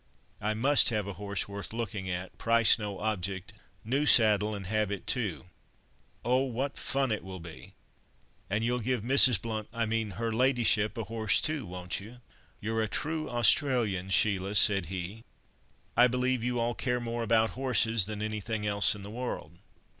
I must have a horse worth looking at, price no object—new saddle, and habit too. Oh! what fun it will be! And you'll give Mrs. Bl—I mean, her ladyship—a horse too, won't you?" "You're a true Australian, Sheila," said he. "I believe you all care more about horses, than anything else in the world.